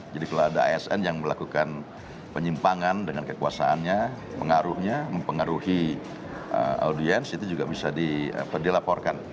kalau ada asn yang melakukan penyimpangan dengan kekuasaannya pengaruhnya mempengaruhi audiens itu juga bisa dilaporkan